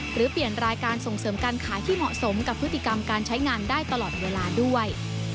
หรือเปลี่ยนรายการส่งเสริมการขายที่เหมาะสมกับพฤติกรรมการใช้งานได้ตลอดเวลาด้วย